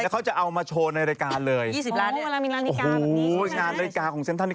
มาแล้วมีร้านลีกาแบบนี้ใช่ไหม